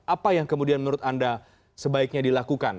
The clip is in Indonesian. apa yang kemudian menurut anda sebaiknya dilakukan